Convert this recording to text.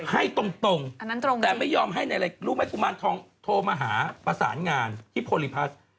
ให้ตรงแต่ไม่ยอมให้ในอะไรรู้ไหมกุมารทองโทรมาหาประสานงานที่โพลิพัส